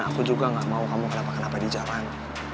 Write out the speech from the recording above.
dan aku juga gak mau kamu kedepan kenapa di jalan